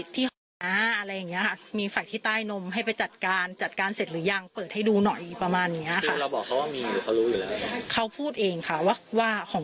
แต่ก็มีค่ะมันมีทุกคนนะคะมันมีผู้หญิงผู้ชายมีทุกคน